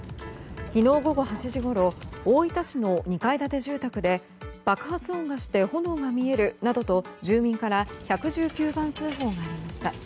昨日午後８時ごろ大分市の２階建て住宅で爆発音がして炎が見えるなどと住民から１１９番通報がありました。